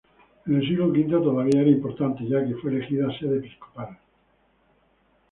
En el siglo V todavía era importante ya que fue elegida sede episcopal.